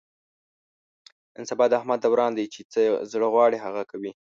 نن سبا د احمد دوران دی، چې څه یې زړه و غواړي هغه کوي.